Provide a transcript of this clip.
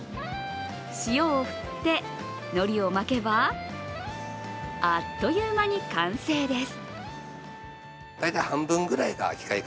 塩を振って、のりを巻けば、あっという間に完成です。